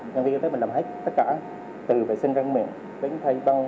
nhân viên y tế mình làm hết tất cả từ vệ sinh răng miệng đến thay băng